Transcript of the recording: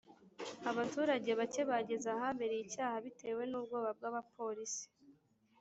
abaturage bacye bageze ahabereye icyaha bitewe n’ubwoba bw’abapolisi